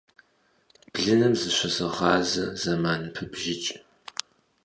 Блыным зыщызыгъазэ, зэман пыбжыкӀ.